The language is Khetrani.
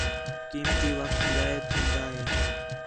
قیمتی وخت ضائع تھین٘دا ہے